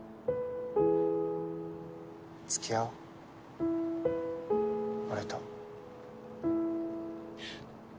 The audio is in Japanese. つきあおう俺と。